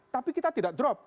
tapi kita tidak drop